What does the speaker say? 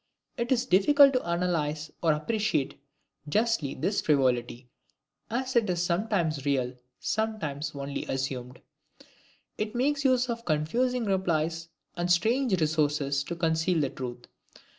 It is difficult to analyze or appreciate justly this frivolity, as it is sometimes real, sometimes only assumed. It makes use of confusing replies and strange resources to conceal the truth.